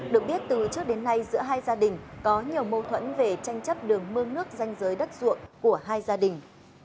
được biết từ trước đến nay giữa hai gia đình có nhiều mâu thuẫn về tranh chấp đường mương nước danh giới đất ruộng của hai gia đình